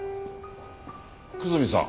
久住さん。